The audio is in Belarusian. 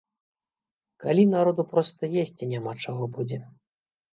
Калі народу проста есці няма чаго будзе.